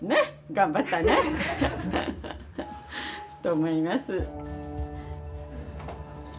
頑張ったね！と思います。